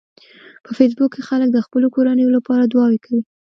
په فېسبوک کې خلک د خپلو کورنیو لپاره دعاوې کوي